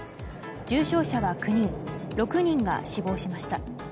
重症者は９人６人が死亡しました。